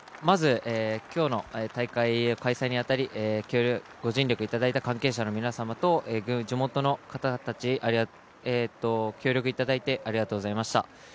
まず今日の大会開催に当たりご尽力いただいた関係者の皆様と地元の方たち、協力いただいてありがとうございました。